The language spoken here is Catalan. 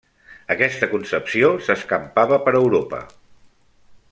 Aquesta concepció s'escampava per Europa.